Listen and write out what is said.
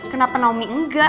kenapa naomi enggak